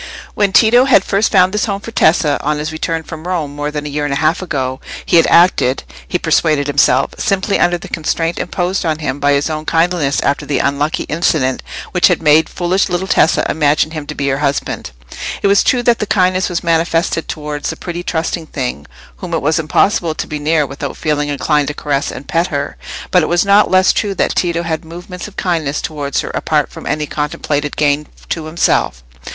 When Tito had first found this home for Tessa, on his return from Rome, more than a year and a half ago, he had acted, he persuaded himself, simply under the constraint imposed on him by his own kindliness after the unlucky incident which had made foolish little Tessa imagine him to be her husband. It was true that the kindness was manifested towards a pretty trusting thing whom it was impossible to be near without feeling inclined to caress and pet her; but it was not less true that Tito had movements of kindness towards her apart from any contemplated gain to himself.